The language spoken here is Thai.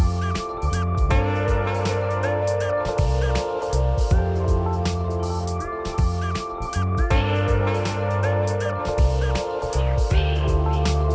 สวัสดีครับ